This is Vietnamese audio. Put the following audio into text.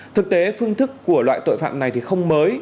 thực tế phương thức của loại tội phạm này thì không mới